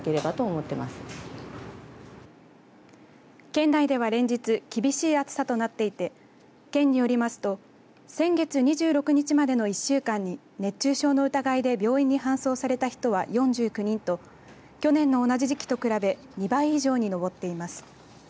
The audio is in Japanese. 県内では連日厳しい暑さとなっていて県によりますと先月２６日までの一週間に熱中症の疑いで病院に搬送された人は４９人と去年の同じ時期と比べ２倍以上に上っています。